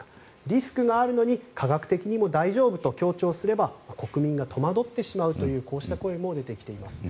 リスクがあるのに科学的にも大丈夫と強調すれば国民が戸惑ってしまうというこうした声も出てきています。